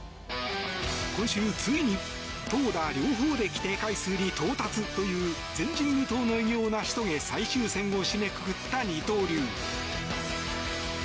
今週、ついに投打両方で規定回数に到達という前人未到の偉業を成し遂げ最終戦を締めくくった二刀流。